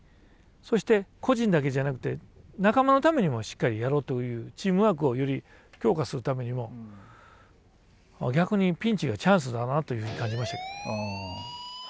そして個人だけじゃなくて仲間のためにもしっかりやろうというチームワークをより強化するためにも逆にピンチがチャンスだなというふうに感じました。